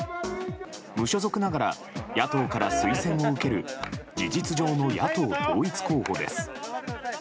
無所属ながら野党から推薦を受ける事実上の野党統一候補です。